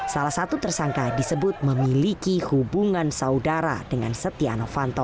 salah satu tersangka disebut memiliki hubungan saudara dengan setia novanto